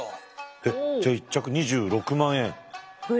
えっじゃあ１着２６万円。